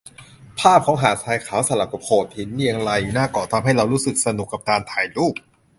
ภาพของหาดทรายขาวสลับกับโขดหินเรียงรายอยู่หน้าเกาะ ทำให้เรารู้สึกสนุกกับการถ่ายรูป